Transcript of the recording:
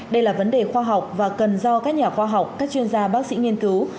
đây là vấn đề khoa học và cần do các nhà khoa học các chuyên gia bác sĩ nghiên cứu